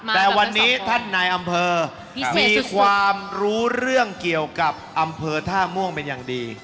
แต่วันนี้ท่านนายอำเภอมีความรู้เรื่องเกี่ยวกับอำเภอท่าม่วงเป็นอย่างดี